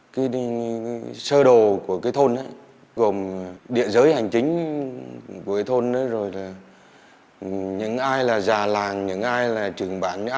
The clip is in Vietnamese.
cái sơ đồ của cái thôn đó gồm địa giới hành chính của cái thôn đó rồi là những ai là già làng những ai là trường bản